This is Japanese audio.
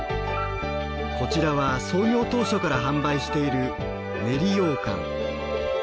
こちらは創業当初から販売している練りようかん。